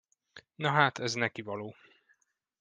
Nahát, ez neki való.